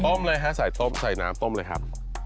เลยฮะใส่ต้มใส่น้ำต้มเลยครับ